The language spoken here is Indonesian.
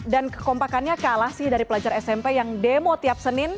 dan kekompakannya kalah dari pelajar smp yang demo tiap senin